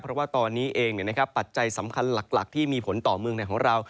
เพราะว่าตอนนี้เองปัจจัยสำคัญหลักที่มีผลต่อเมืองในของเรา